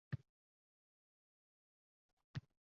davlat nazorati kamaytirishni ta’minlashga urinish edi.